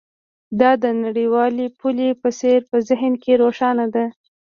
دا د نړیوالې پولې په څیر په ذهن کې روښانه ده